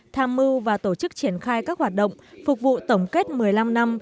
tham mưu và tổ chức triển khai các hoạt động phục vụ tổng kết một mươi năm năm